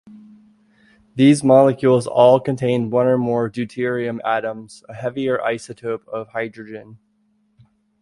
These molecules all contain one or more deuterium atoms, a heavier isotope of hydrogen.